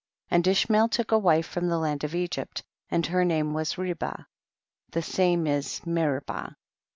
15. And Ishmael took a wife from the land of Egypt, and her name was Ribah, the same is Meribah.